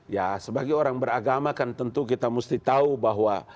ya sebagai orang beragama kan tentu kita mesti tahu bahwa